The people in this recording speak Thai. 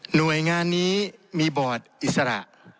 หน่วยงานนี้มีบอร์ดอิสระ